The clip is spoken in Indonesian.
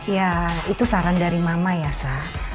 ya itu saran dari mama ya sah